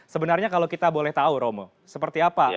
sebenarnya kalau kita boleh tahu romo seperti apa